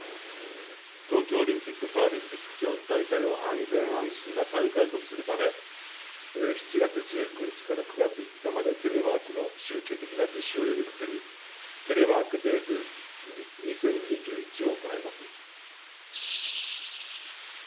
東京オリンピック・パラリンピック競技大会を安全・安心な大会とするため、７月１９日から９月５日まで、テレワークの集中的な実施を呼びかける、テレワーク・デイズ２０２１を行います。